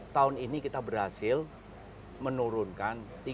tahun ini kita berhasil menurunkan tiga juta ton